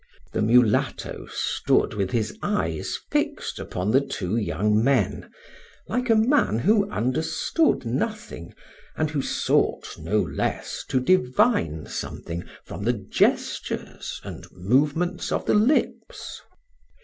The mulatto stood with his eyes fixed upon the two young men, like a man who understood nothing, and who sought no less to divine something from the gestures and movements of the lips.